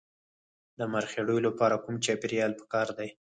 د مرخیړیو لپاره کوم چاپیریال پکار دی؟